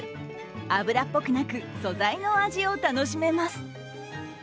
油っぽくなく素材の味を楽しめます。